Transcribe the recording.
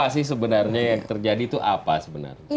apa sih sebenarnya yang terjadi itu apa sebenarnya